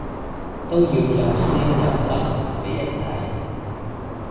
都要有先有得畀人睇